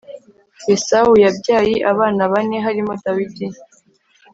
yesawu yabyayi abana bane harimo dawidi